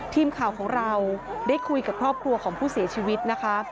ทีมข่าวของเราได้คุยกับครอบครัวของผู้เสียชีวิตนะคะ